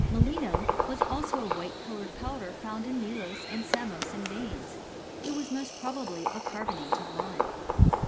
Melinum was also a white coloured powder found In Melos and Samos in yeins. It was most probably a carbonate of lime.